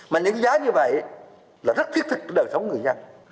mà những giá như vậy là rất thiết thực cho đời sống người dân